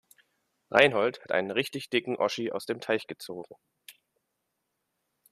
Reinhold hat einen richtig dicken Oschi aus dem Teich gezogen.